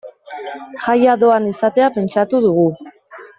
Jaia doan izatea pentsatu dugu.